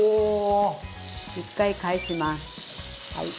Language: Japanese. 一回返します。